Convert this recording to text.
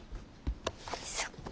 そっか。